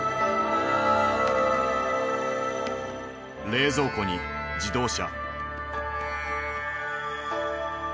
冷蔵庫に自動車。